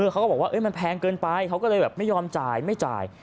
เขาก็บอกว่ามันแพงเกินไปเขาก็เลยแบบไม่ยอมจ่ายไม่จ่าย